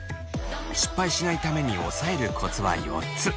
失敗しないためにおさえるコツは４つ。